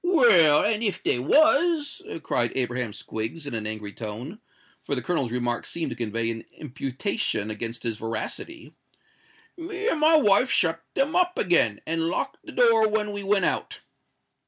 "Well—and if they was," cried Abraham Squiggs, in an angry tone,—for the Colonel's remark seemed to convey an imputation against his veracity,—"me and my wife shut 'em up again, and locked the door when we went out."